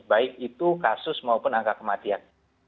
baik itu kasus maupun angka kematian